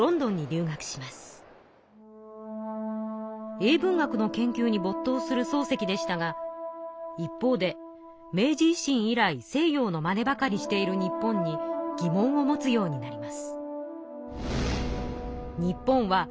英文学の研究に没頭する漱石でしたが一方で明治維新以来西洋のマネばかりしている日本に疑問を持つようになります。